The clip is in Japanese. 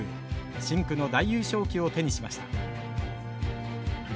深紅の大優勝旗を手にしました。